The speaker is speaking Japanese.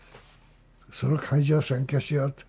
その会場を占拠しようって。